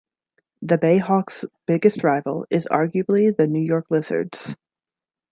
The Bayhawks' biggest rival is arguably the New York Lizards.